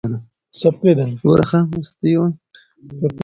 که پوهه وي نو جمال وي.